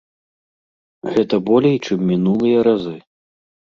Гэта болей, чым мінулыя разы.